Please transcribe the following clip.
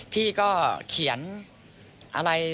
พี่ก็เขียนอะไร